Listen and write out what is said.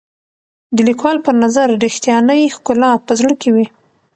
د لیکوال په نظر رښتیانۍ ښکلا په زړه کې وي.